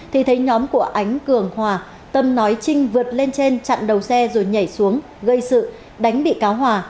thì thấy nhóm của ánh cường hòa tâm nói trinh vượt lên trên chặn đầu xe rồi nhảy xuống gây sự đánh bị cáo hòa